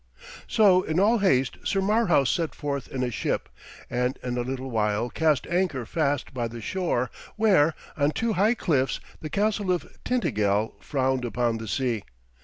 So in all haste Sir Marhaus set forth in a ship, and in a little while cast anchor fast by the shore where, on two high cliffs, the castle of Tintagel frowned upon the sea.